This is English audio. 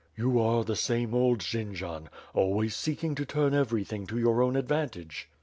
"You are the same old Jendzian, always seeking to turn everything to your own advantage."